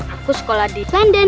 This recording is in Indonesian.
aku sekolah di london